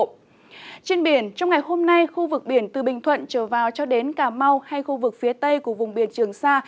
trên biển trong ngày hôm nay khu vực biển từ bình thuận trở vào cho đến cà mau hay khu vực phía tây của vùng biển trường sa